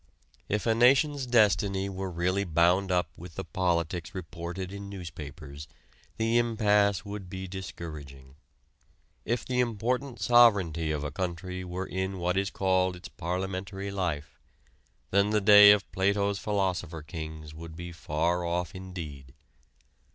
If a nation's destiny were really bound up with the politics reported in newspapers, the impasse would be discouraging. If the important sovereignty of a country were in what is called its parliamentary life, then the day of Plato's philosopher kings would be far off indeed.